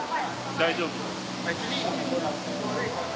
大丈夫。